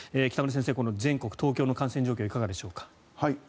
北村先生、全国と東京の感染状況、いかがでしょうか。